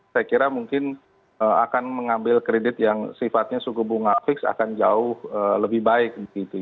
saya kira mungkin akan mengambil kredit yang sifatnya suku bunga fix akan jauh lebih baik